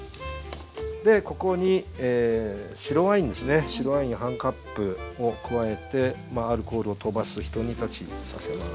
でここに白ワインですね白ワイン半カップを加えてアルコールをとばすひと煮立ちさせます。